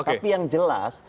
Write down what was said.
tapi yang jelas